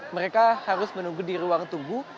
mereka harus menunggu di ruang tunggu